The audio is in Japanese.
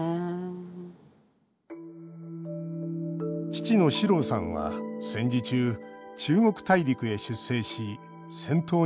父の四郎さんは、戦時中中国大陸へ出征し、戦闘に参加。